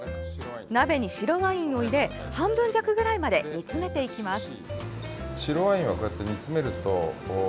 鍋に白ワインを入れ半分弱ぐらいまで煮詰めていきます。